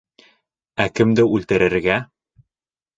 Ә кемде үлтерергә?